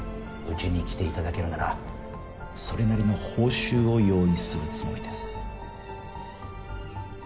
うちに来て頂けるならそれなりの報酬を用意するつもりです。